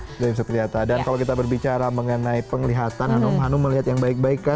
sudah imsak ternyata dan kalau kita berbicara mengenai penglihatan anum anum melihat yang baik baikan